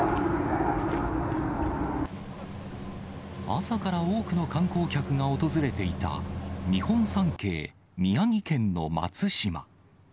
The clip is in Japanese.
朝から多くの観光客が訪れていた、日本三景、宮城県の松島。